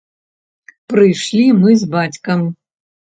Прыйшлі мы з бацькам.